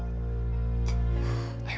aku mau pulang